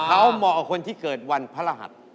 เขาเหมาะกับคนที่เกิดวันพระรหัส